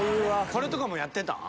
これとかもやってたん？